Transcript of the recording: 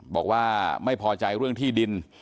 บอกว่าไม่พอใจเรื่องที่ดิน